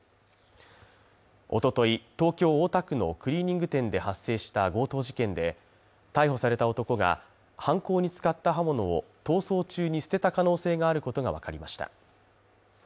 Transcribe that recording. おととい、東京・大田区のクリーニング店で発生した強盗事件で逮捕された男が犯行に使った刃物を逃走中に捨てた可能性があることがわかりました。